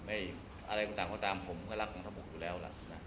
อะไรต่างก็ตามผมก็รักของทบกอยู่แล้วล่ะนะ